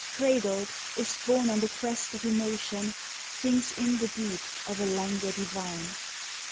Cradled, is borne on the crest of emotion, Sinks in the deep of a languor divine!